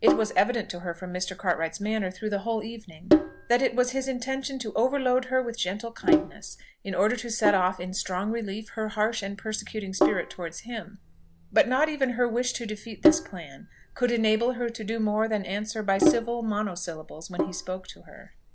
It was evident to her from Mr. Cartwright's manner through the whole evening, that it was his intention to overload her with gentle kindness, in order to set off in strong relief her harsh and persecuting spirit towards him. But not even her wish to defeat this plan could enable her to do more than answer by civil monosyllables when he spoke to her.